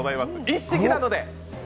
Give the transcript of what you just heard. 一式なので。